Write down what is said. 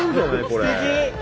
これ。